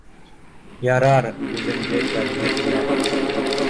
— Ярар, үҙеңде кәмһетмә